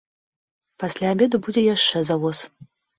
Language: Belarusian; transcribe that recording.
Пасля абеду будзе яшчэ завоз.